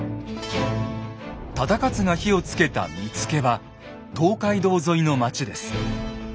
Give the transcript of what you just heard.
忠勝が火をつけた見付は東海道沿いの町です。